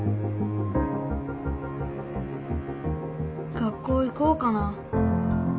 学校行こうかな。